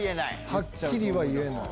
はっきりは言えない。